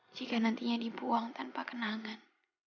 jika nantinya dibuang tanpa kenangan